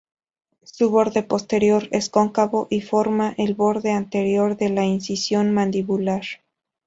Su "borde posterior" es cóncavo y forma el borde anterior de la incisión mandibular.